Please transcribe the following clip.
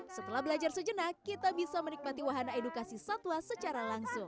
setelah belajar sejenak kita bisa menikmati wahana edukasi satwa secara langsung